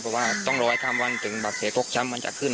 พอว่าต้องรอยทำถึงวัดเพลย์ฟกช่ำจะพึ่ง